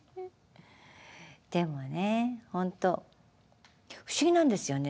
でもね本当不思議なんですよね。